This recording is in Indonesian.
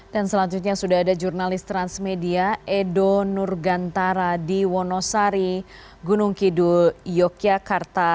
dan selanjutnya sudah ada jurnalis transmedia edo nurgantara di wonosari gunung kidul yogyakarta